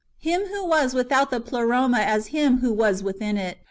Him who was without the Pleroma as Him who was within it.